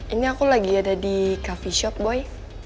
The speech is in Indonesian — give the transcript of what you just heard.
ini aku lagi ada di coffee shop boy